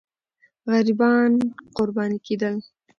غریبان قرباني کېدل.